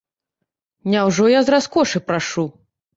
Няўжо я з раскошы прашу?